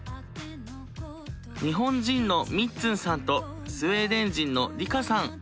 日本人のみっつんさんとスウェーデン人のリカさん。